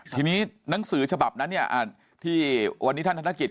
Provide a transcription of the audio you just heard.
ทีนี้หนังสือฉบับนั้นเนี่ยที่วันนี้ท่านธนกิจ